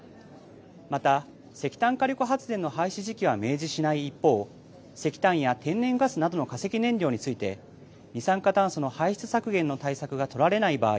また石炭火力発電の廃止時期は明示しない一方、石炭や天然ガスなどの化石燃料について二酸化炭素の排出削減の対策が取られない場合